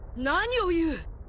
何を言う！